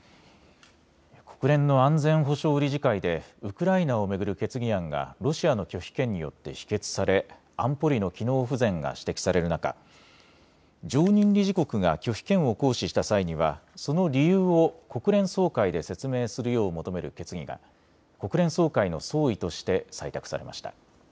国連の安全保障理事会でウクライナを巡る決議案がロシアの拒否権によって否決され安保理の機能不全が指摘される中、常任理事国が拒否権を行使した際にはその理由を国連総会で説明するよう求める決議が国連総会の総意として採択されました。